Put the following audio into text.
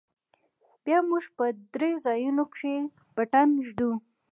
بيا موږ په درېو ځايونو کښې پټن ږدو.